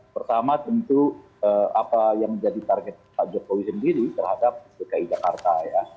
pertama tentu apa yang menjadi target pak jokowi sendiri terhadap dki jakarta ya